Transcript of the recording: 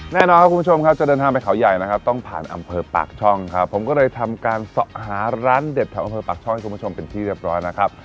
แน่นอนครับคุณผู้ชมครับจะเดินทางไปเขาใหญ่นะครับต้องผ่านอำเภอปากช่องครับผมก็เลยทำการหาร้านเด็ดแถวอำเภอปากช่องให้คุณผู้ชมเป็นที่เรียบร้อยนะครับ